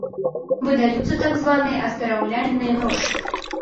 Выдаюцца так званыя аздараўляльныя грошы.